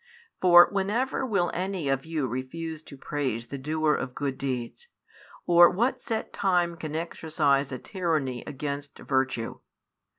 For whenever will any of you refuse to praise the doer of good deeds, or what set time can exercise a tyranny against virtue?